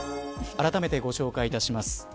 あらためてご紹介いたします。